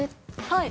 はい。